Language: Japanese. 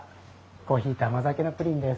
コーヒーと甘酒のプリンです。